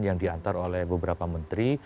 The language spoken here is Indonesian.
yang diantar oleh beberapa menteri